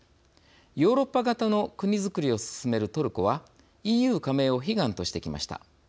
ヨーロッパ型の国づくりを進めるトルコはＥＵ加盟を悲願としてきました。